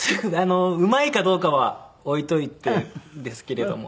うまいかどうかは置いといてですけれども。